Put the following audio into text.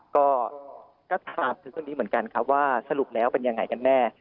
ก็ถามถึงตรงนี้เหมือนกันครับว่าสรุปแล้วเป็นยังไงกันแน่